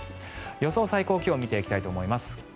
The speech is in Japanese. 予想最高気温を見ていきたいと思います。